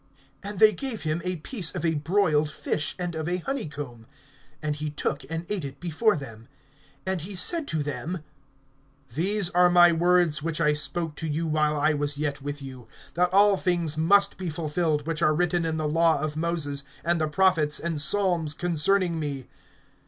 (42)And they gave him a piece of a broiled fish, and of a honeycomb. (43)And he took, and ate it before them. (44)And he said to them: These are my words which I spoke to you, while I was yet with you, that all things must be fulfilled, which are written in the law of Moses, and the prophets, and psalms, concerning me.